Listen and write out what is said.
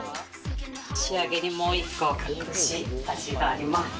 仕上げにもう１個隠し味があります。